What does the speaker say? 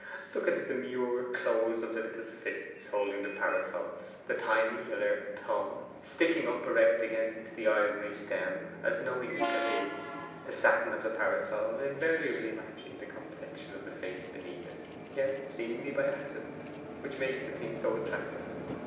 Look at the demure close of the little fists holding the parasols; the tiny alert thumb, sticking up erect against the ivory stem as knowing as can be, the satin of the parasol invariably matching the complexion of the face beneath it, yet seemingly by an accident, which makes the thing so attractive.